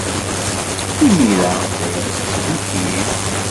Imir-a, la yettett imekli.